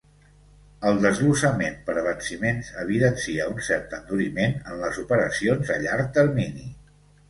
El desglossament per venciments evidencia un cert enduriment en les operacions a llarg termini.